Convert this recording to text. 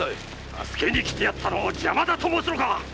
助けに来たのを邪魔と申すのか⁉